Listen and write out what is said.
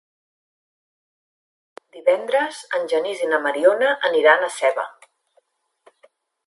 Divendres en Genís i na Mariona aniran a Seva.